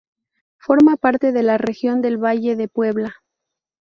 Forma parte de la región del Valle de Puebla.